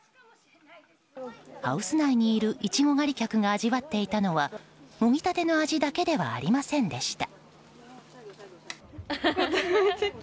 ハウス内にいるイチゴ狩り客が味わっていたのはもぎたての味だけではありませんでした。